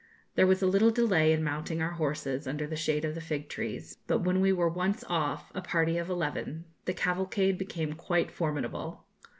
There was a little delay in mounting our horses, under the shade of the fig trees; but when we were once off, a party of eleven, the cavalcade became quite formidable.